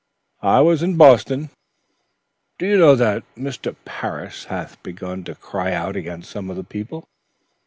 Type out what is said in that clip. "I was in Boston." "Do you know that Mr. Parris hath begun to cry out against some of the people?"